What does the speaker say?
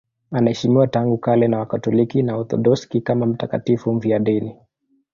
Anaheshimiwa tangu kale na Wakatoliki na Waorthodoksi kama mtakatifu mfiadini.